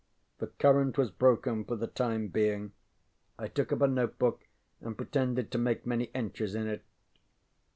ŌĆØ The current was broken for the time being. I took up a notebook and pretended to make many entries in it.